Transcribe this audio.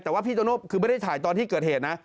แต่ว่าพี่โตโน่คือไม่ได้ถ่ายตอนที่เกิดเหตุนะ